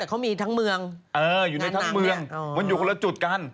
แต่เขามีทั้งเมืองงานนั้งเนี่ยอ๋ออยู่ในทั้งเมืองมันอยู่คนละจุดกัน